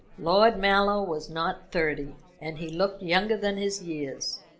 Lord Mallow was not thirty, and he looked younger than his years.